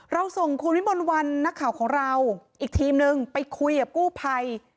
เราส่งคุณวิมลวันนักข่าวของเราอีกทีมนึงไปคุยกับกู้ภัย